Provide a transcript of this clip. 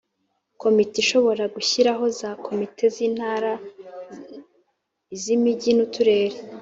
Komite ishobora gushyiraho za Komite z’Intara, iz’ Imijyi n’ Uturere